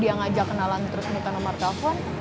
dia gak ngajak kenalan terus gak minta nomer telepon